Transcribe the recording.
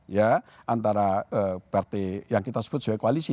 ya antara partai yang kita sebut sebagai koalisi